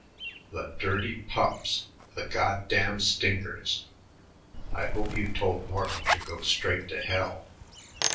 "The dirty pups! The goddamn stinkers! I hope you told Morton to go straight to hell."